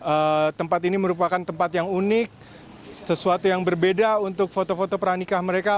karena tempat ini merupakan tempat yang unik sesuatu yang berbeda untuk foto foto pernikah mereka